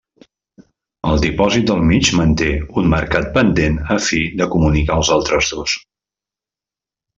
El dipòsit del mig manté un marcat pendent a fi de comunicar els altres dos.